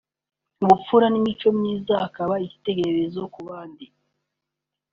ubupfura n’imico myiza akaba icyitegererezo ku bandi